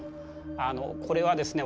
あのこれはですね